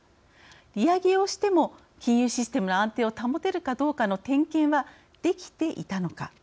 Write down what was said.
利上げをしても金融システムの安定を保てるかどうかの点検はできていたのか。